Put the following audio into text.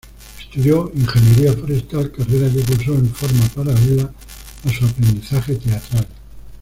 Estudió ingeniería forestal, carrera que cursó en forma paralela a su aprendizaje teatral.